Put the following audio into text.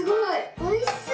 「おいしそう」。